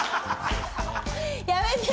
やめてよ！